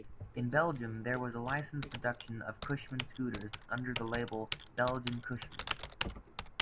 In Belgium there was a licence-production of Cushmann scooters under the label "Belgian Cushman".